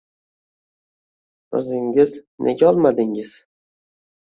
O'zingiz nega olmadingiz